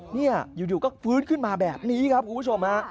นี่อยู่ก็ฟื้นขึ้นมาแบบนี้ครับคุณผู้ชมฮะ